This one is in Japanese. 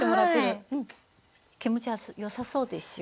はい気持ちよさそうでしょう？